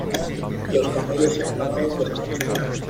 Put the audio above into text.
Los camellos se han ganado un descanso.